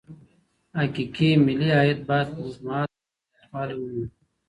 حقيقي ملي عايد بايد په اوږدمهاله ډول زياتوالی ومومي.